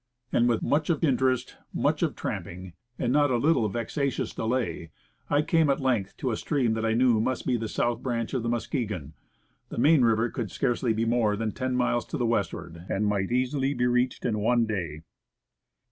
And with much of interest, much of tramping, and not a little of vexatious delay, I came at length to a stream that I knew must be the south branch of the Muskegon. The main river could scarcely be more than ten miles to the westward, and might be easily reached in one day.